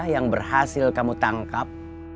yang berhasil kamu tangkap